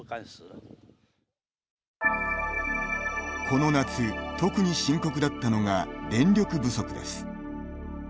この夏、特に深刻だったのが電力不足です。